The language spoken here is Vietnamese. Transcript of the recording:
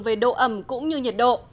về độ ẩm cũng như nhiệt độ